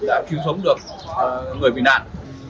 đã cứu sống được người bị nạn